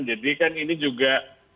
jadi kan ini juga